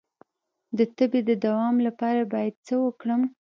د تبې د دوام لپاره باید څه وکړم؟